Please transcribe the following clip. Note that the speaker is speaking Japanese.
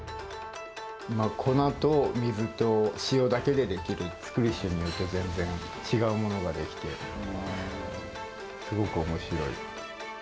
粉と水と塩だけでできる、作り手によって違うものが出来て、すごくおもしろい。